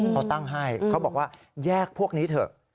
เขาตั้งให้เขาบอกว่าแยกพวกนี้เถอะ